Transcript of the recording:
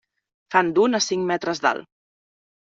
Fan d'un a cinc metres d'alt.